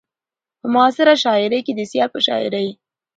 په معاصره شاعرۍ کې د سيال په شاعرۍ